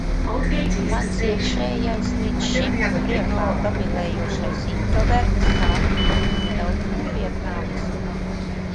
Mans iekšējais, līdz šim priekā gavilējošais introverts sāk kļūt nedaudz nopietnāks.